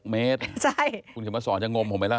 เมตรคุณเขียนมาสอนจะงมผมไหมล่ะ